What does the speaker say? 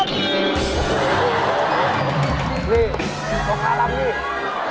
นี่ต้องการรับมีด